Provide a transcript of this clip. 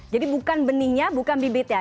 jadi bukan benihnya bukan bibitnya